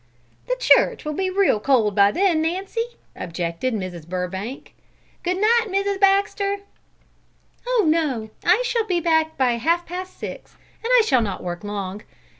"The church will be real cold by then, Nancy," objected Mrs. Burbank. "Good night, Mrs. Baxter." "Oh, no! I shall be back by half past six, and I shall not work long.